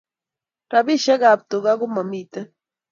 Rapishek ab tuka ko mamiten